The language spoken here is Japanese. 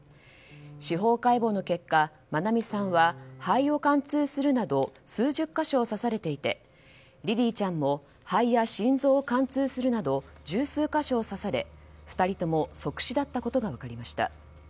司法解剖の結果愛美さんは肺を貫通するなど数十か所を刺されていてリリィちゃんも肺や心臓を貫通するなど十数か所を刺され２人とも即死だったことが分かりました。